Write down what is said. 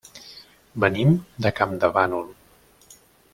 Venim de Campdevànol.